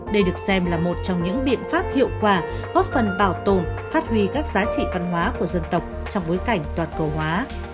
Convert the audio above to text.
đây được xem là một trong những biện pháp hiệu quả góp phần bảo tồn phát huy các giá trị văn hóa của dân tộc trong bối cảnh toàn cầu hóa